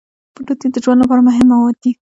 پروټین د ژوند لپاره مهم مواد دي